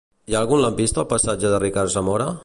Hi ha algun lampista al passatge de Ricard Zamora?